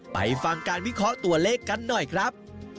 ไปฟังการวิเคราะห์ตัวเลขกันหน่อยครับ